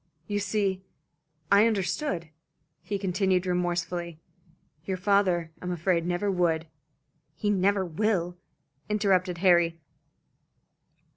"You see, I understood," he continued remorsefully. "Your father, I am afraid, never would." "He never will," interrupted Harry.